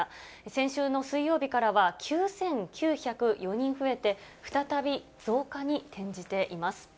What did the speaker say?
先週の水曜日からは９９０４人増えて、再び増加に転じています。